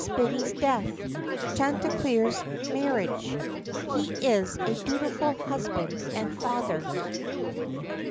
BIDDY'S DEATH. CHANTICLEER'S MARRIAGE. HE IS A DUTIFUL HUSBAND AND FATHER.